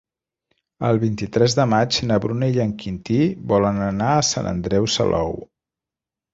El vint-i-tres de maig na Bruna i en Quintí volen anar a Sant Andreu Salou.